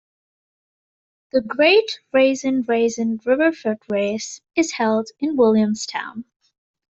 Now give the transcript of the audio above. The "Great Raisin Raisin River Foot Race" is held in Williamstown.